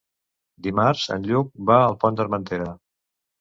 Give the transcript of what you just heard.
Dimarts en Lluc va al Pont d'Armentera.